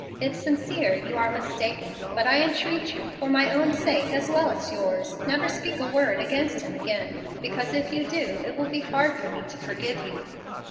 If sincere, you are mistaken. But I entreat you, for my own sake as well as yours, never speak a word against him again. Because, if you do, it will be hard for me to forgive you.